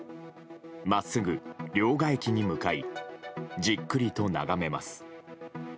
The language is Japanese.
真っすぐ両替機に向かいじっくりと眺めます。